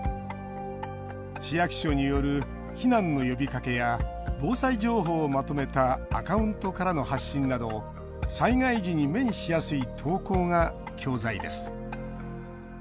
市役所による避難の呼びかけや防災情報をまとめたアカウントからの発信など災害時に目にしやすい投稿が教材です。